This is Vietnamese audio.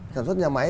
sản xuất nhà máy